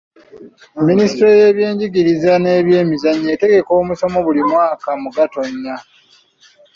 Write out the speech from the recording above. Minisitule y'ebyenjigiriza n'ebyemizannyo etegeka omusomo buli mwaka mu Gatonnya